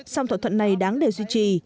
song thỏa thuận này đáng đều duy trì